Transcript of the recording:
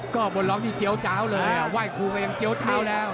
ก็บนล็อกนี่เจี๊ยเจ้าเลยไหว้ครูก็ยังเจี๊ยวเท้าแล้ว